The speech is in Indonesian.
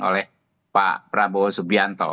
oleh pak prabowo subianto